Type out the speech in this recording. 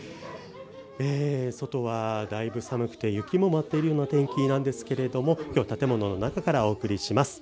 外はだいぶ寒くて雪も舞っているような天気ですが建物の中からお送りします。